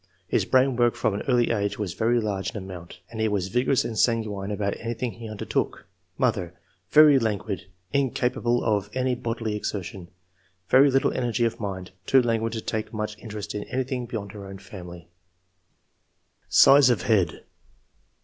His brain work from an early age was very large in amount, and he was vigorous and sanguine about anything he undertook. Mother — Very languid ; incapable of any bodily exertion. Very little energy of mind ; too languid to take much in terest in anything beyond her own family." SIZE OF HEAD.